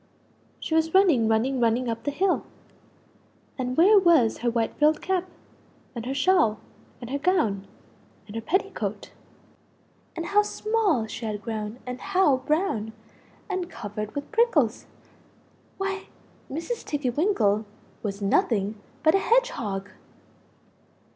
She was running running running up the hill and where was her white frilled cap? and her shawl? and her gown and her petticoat? And how small she had grown and how brown and covered with PRICKLES! Why! Mrs. Tiggy winkle was nothing but a HEDGEHOG.